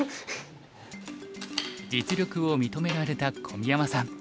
実力を認められた小宮山さん